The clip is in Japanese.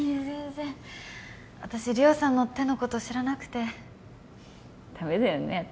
全然私理緒さんの手のこと知らなくてダメだよね